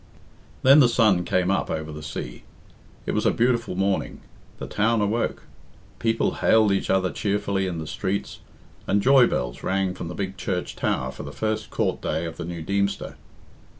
Then the sun came up over the sea. It was a beautiful morning. The town awoke; people hailed each other cheerfully in the streets, and joy bells rang from the big church tower for the first court day of the new Deemster.